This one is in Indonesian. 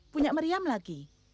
punya meriam lagi